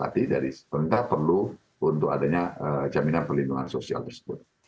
jadi tidak perlu untuk adanya jaminan perlindungan sosial tersebut